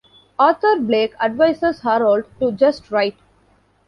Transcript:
Arthur Blake advises Harold to "just write".